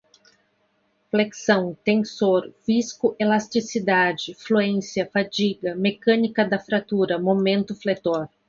flexão, tensor, viscoelasticidade, fluência, fadiga, mecânica da fratura, momento fletor